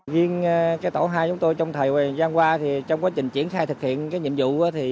riêng tổ hai chúng tôi trong thời gian qua trong quá trình triển khai thực hiện nhiệm vụ